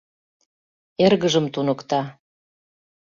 Эргыжым туныкта